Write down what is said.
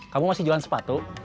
kamu masih jualan sepatu